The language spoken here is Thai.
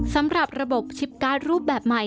สำหรับระบบชิปการ์ดรูปแบบใหม่